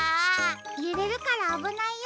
ゆれるからあぶないよ。